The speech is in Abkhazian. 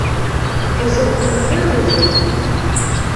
Изакә мҳәырузеи?!